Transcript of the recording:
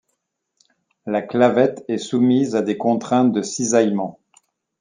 La clavette est soumise à des contraintes de cisaillement.